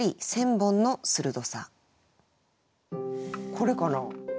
これかな。